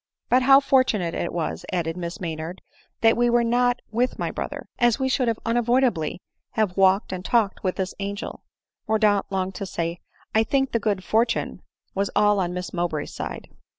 " But how fortunate it was," added Miss Maynard, "that we were not with my brother ! as we should un avoidably have walked and talked with this angel." Mordaunt longed to say, " I think the good fortune was all on Miss Mowbray's side."